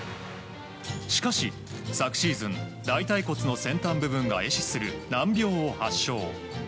しかし、昨シーズン大腿骨の先端部分が壊死する難病を発症。